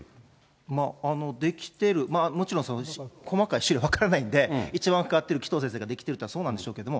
できてる、もちろん細かい資料は分からないんで、一番関わってる紀藤先生ができてるって言ったらそうなんでしょうけど、